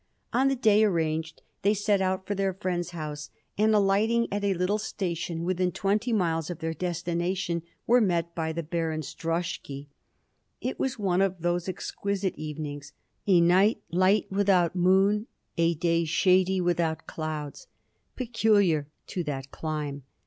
On the day arranged, they set out for their friends' house, and alighting at a little station, within twenty miles of their destination, were met by the Baron's droshky. It was one of those exquisite evenings a night light without moon, a day shady without clouds peculiar to that clime.